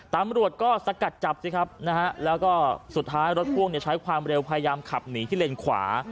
ตำรวจก็สกัดจับสิครับนะฮะแล้วก็สุดท้ายรถพ่วงใช้ความเร็วพยายามขับหนีที่เลนขวา